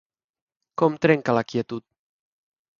Com trenca la quietud?